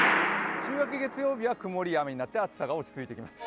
週明け月曜日は曇りや雨になって暑さがおさまってきます。